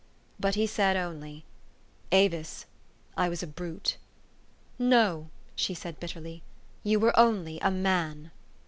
But he said only, "Avis, I was a brute !"" No," she said bitterly, " you were only a man."